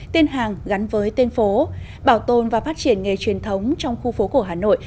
tiên hàng gắn với tên phố bảo tồn và phát triển nghề truyền thống trong khu phố cổ hà nội